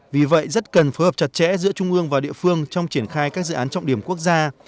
vì vậy rất cần phối hợp chặt chẽ giữa trung ương và địa phương trong triển khai các dự án trọng điểm quốc gia